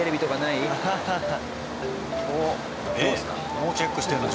もうチェックしてるの？